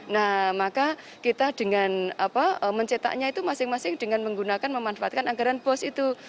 nah maka kita dengan mencetaknya itu masing masing dengan menggunakan memanfaatkan anggaran bos itu